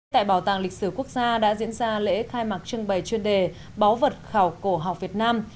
tại bảo tàng lịch sử quốc gia đã diễn ra lễ khai mạc trưng bày chuyên đề báo vật khảo cổ học việt nam